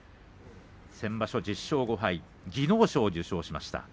先場所１０勝５敗で技能賞を受賞しています。